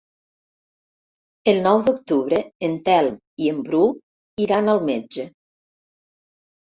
El nou d'octubre en Telm i en Bru iran al metge.